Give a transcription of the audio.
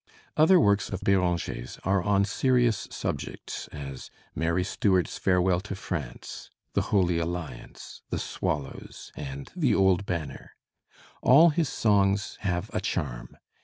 Other works of Béranger's are on serious subjects, as 'Mary Stuart's Farewell to France,' 'The Holy Alliance,' 'The Swallows,' and 'The Old Banner,' All his songs have a charm.